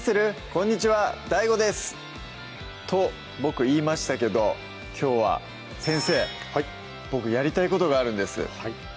こんにちはＤＡＩＧＯですと僕言いましたけどきょうは先生はい僕やりたいことがあるんですはい